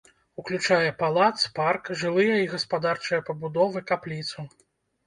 Уключае палац, парк, жылыя і гаспадарчыя пабудовы, капліцу.